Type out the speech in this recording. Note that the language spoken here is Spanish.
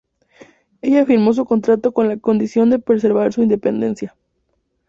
Ella firmó su contrato con la condición de preservar su independencia.